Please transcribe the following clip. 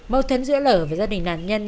mâu thuẫn giữa lờ và gia đình nạn nhân